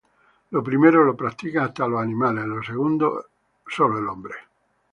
Lo primero, lo practican hasta los animales; lo segundo, el hombre nada más.